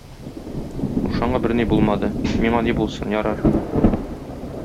Рушанга берни булмады, миңа ни булсын, ярар.